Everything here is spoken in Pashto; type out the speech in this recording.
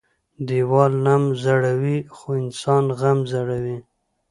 ـ ديوال نم زړوى خو انسان غم زړوى.